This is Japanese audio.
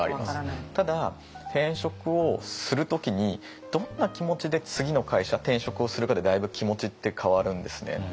ただ転職をする時にどんな気持ちで次の会社転職をするかでだいぶ気持ちって変わるんですね。